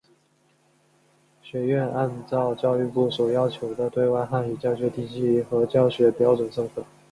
学院按照教育部所要求的对外汉语教学体系和教学标准授课。